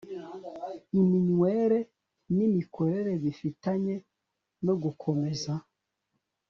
iminywere nimikorere bifitanye no gukomeza